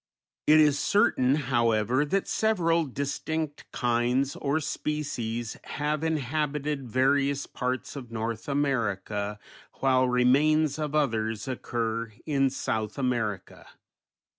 It is certain, however, that several distinct kinds, or species, have inhabited various parts of North America, while remains of others occur in South America.